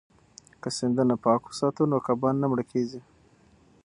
که سیندونه پاک وساتو نو کبان نه مړه کیږي.